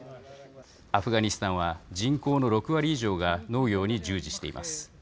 アフガニスタンは人口の６割以上が農業に従事しています。